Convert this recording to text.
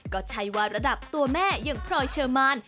ก็ใช่ว่าระดับตัวแม่อย่างพลอยเชอร์มาน